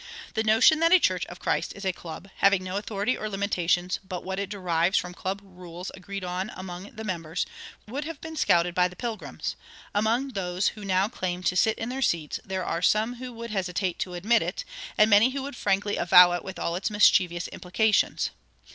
The notion that a church of Christ is a club, having no authority or limitations but what it derives from club rules agreed on among the members, would have been scouted by the Pilgrims; among those who now claim to sit in their seats there are some who would hesitate to admit it, and many who would frankly avow it with all its mischievous implications.